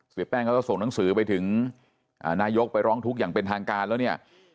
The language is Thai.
แป้งเขาก็ส่งหนังสือไปถึงนายกไปร้องทุกข์อย่างเป็นทางการแล้วเนี่ย